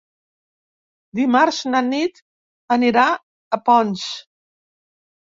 Dimarts na Nit anirà a Ponts.